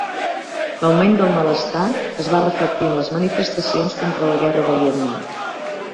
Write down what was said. L'augment del malestar es va reflectir en les manifestacions contra la guerra del Vietnam.